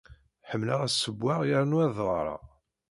Ḥemmleɣ ad ssewweɣ yernu ad ɣreɣ.